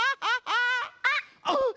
あっ！